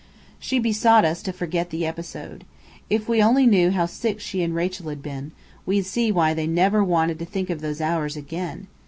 She besought us to forget the episode. If we only knew how sick she and Rachel had been, we'd see why they never wanted to think of those hours again!